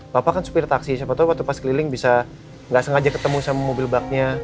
bapak kan supir taksi siapa tahu waktu pas keliling bisa gak sengaja ketemu sama mobil bug nya